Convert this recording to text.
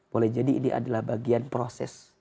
boleh jadi ini adalah bagian proses